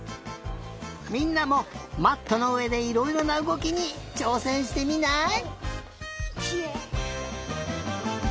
みんなもまっとのうえでいろいろなうごきにちょうせんしてみない？